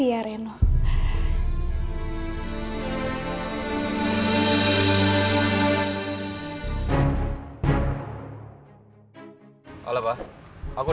semoga apa yang kamu harapkan semuanya terwujud